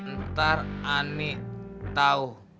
ntar ani tau